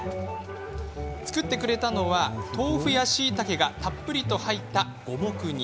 作ってくれたのは豆腐やしいたけがたっぷりと入った五目煮。